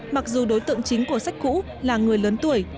mặc dù đối tượng chính của sách cũ là người lớn tuổi